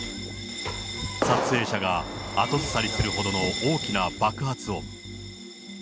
撮影者が後ずさりするほどの大きな爆発音。